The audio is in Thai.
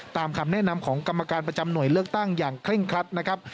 ตามคำแนะนำของกรรมการประจำหน่วยเลือกตั้งอย่างเคร่งครัดนะครับ